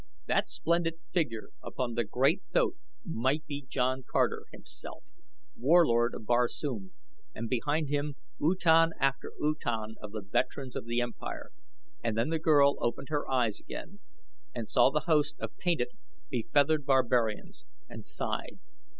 That splendid figure upon the great thoat might be John Carter, himself, Warlord of Barsoom, and behind him utan after utan of the veterans of the empire, and then the girl opened her eyes again and saw the host of painted, befeathered barbarians, and sighed.